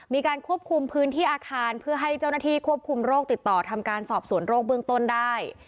มีการควบคุมพื้นที่อาคารเพื่อให้เจ้าหน้าที่ควบคุมโรคติดต่อทำการสอบสวนโรคเบื้องต้นได้